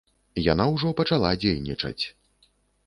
Яна ўжо пачала дзейнічаць.